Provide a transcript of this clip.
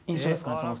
その２人。